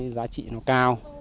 giá trị nó cao